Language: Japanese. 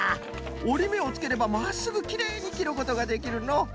おりめをつければまっすぐきれいにきることができるのう。